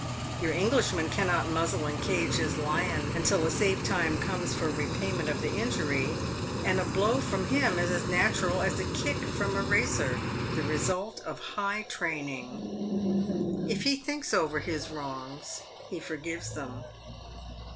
your Englishman cannot muzzle and cage his lion until a safe time comes for repayment of the injury, and a blow from him is as natural as a kick from a racer, the result of high training. If he thinks over his wrongs, he forgives them.